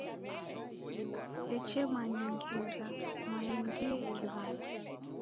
Sechemanya ngera mwaendiye kiw'ada